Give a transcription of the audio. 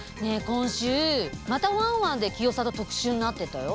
今週また「ワンワン」で清里特集になってたよ。